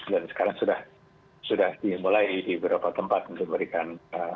dan sekarang sudah dimulai di beberapa tempat untuk memberikan